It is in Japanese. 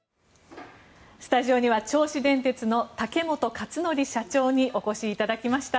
スタジオには銚子電鉄の竹本勝紀社長にお越しいただきました。